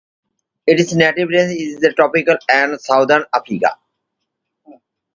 Its native range is tropical and Southern Africa.